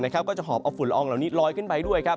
ก็จะหอบเอาฝุ่นละอองเหล่านี้ลอยขึ้นไปด้วย